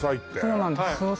そうなんですそれ